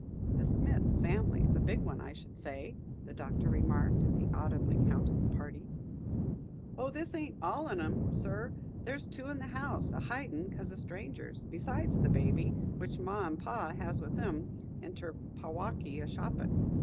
"The Smith family's a big one, I should say," the Doctor remarked, as he audibly counted the party. "Oh, this ain't all on 'em, sir; there's two in the house, a hidin' 'cause o' strangers, besides the baby, which ma and pa has with 'em inter Packwaukee, a shoppin'.